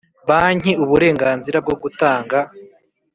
banki uburenganzira bwo gutanga